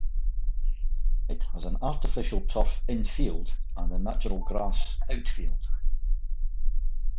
It has an artificial turf infield and a natural grass outfield.